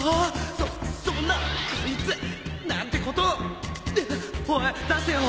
そそんなこいつなんてことおい出せよ！